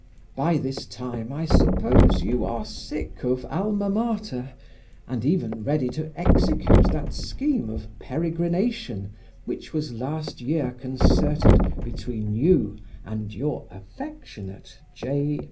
By this time, I suppose, you are sick of alma mater, and even ready to execute that scheme of peregrination, which was last year concerted between you and Your affectionate J.